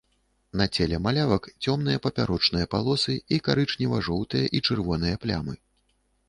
На целе малявак цёмныя папярочныя палосы і карычнева-жоўтыя і чырвоныя плямы.